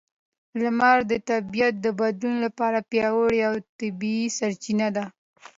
لمر د طبیعت د بدلون لپاره پیاوړې او طبیعي سرچینه ده.